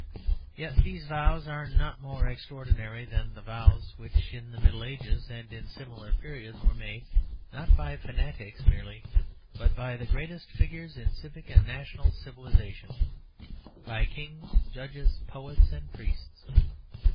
Yet these vows are not more extraordinary than the vows which in the Middle Ages and in similar periods were made, not by fanatics merely, but by the greatest figures in civic and national civilization by kings, judges, poets, and priests.